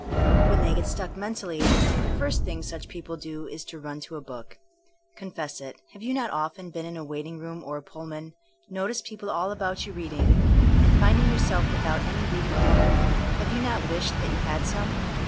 When they get stuck men tally, the first thing such people do is to run to a book. Confess it, have you not often been in a waiting room or a Pullman, noticed people all about you reading, and finding yourself with out any reading matter, have you not wished that you had some!